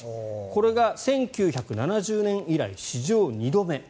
これが１９７０年以来史上２度目。